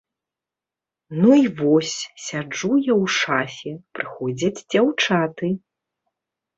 Ну і вось, сяджу я ў шафе, прыходзяць дзяўчаты.